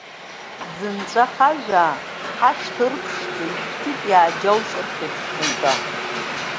Ҳӡынҵәа хажәаа ҳашҭа ырԥшӡо, Ишәҭит иааџьоушьартәеиԥш сынтәа.